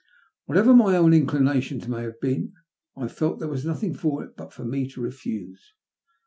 Wliatever my own inclinations may have been, I felt there was nothing for it but for me to refuse.